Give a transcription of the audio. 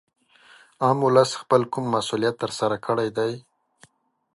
عام ولس خپل کوم مسولیت تر سره کړی دی